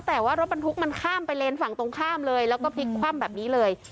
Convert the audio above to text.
แต่ว่ารถบรรทุกมันข้ามไปเลนฝั่งตรงข้ามเลยแล้วก็พลิกคว่ำแบบนี้เลย